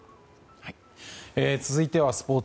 続いてはスポーツ。